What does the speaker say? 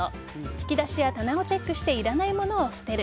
引き出しや棚をチェックしていらないものを捨てる。